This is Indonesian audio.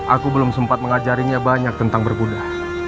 aku belum sempat mengajarinya banyak tentang berkuda